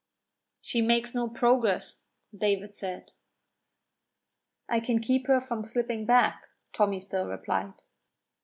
"She makes no progress," David said. "I can keep her from slipping back," Tommy still replied.